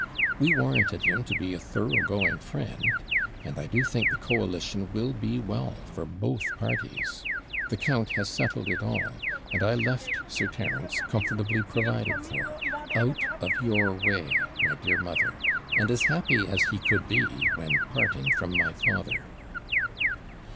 We warranted him to be a thoroughgoing friend; and I do think the coalition will be well for both parties. The count has settled it all, and I left Sir Terence comfortably provided for, out of your way, my dear mother, and as happy as he could be, when parting from my father.'